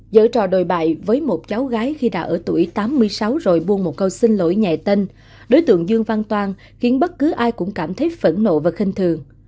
dỡ trò đồi bại với một cháu gái khi đã ở tuổi tám mươi sáu rồi buông một câu xin lỗi nhạy tên đối tượng dương văn toan khiến bất cứ ai cũng cảm thấy phẫn nộ và khinh thường